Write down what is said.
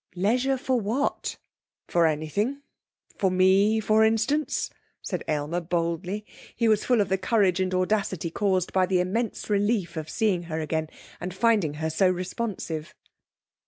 'Leisure for what?' 'For anything for me, for instance,' said Aylmer boldly. He was full of the courage and audacity caused by the immense relief of seeing her again and finding her so responsive.